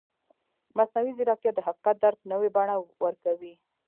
مصنوعي ځیرکتیا د حقیقت درک نوې بڼه ورکوي.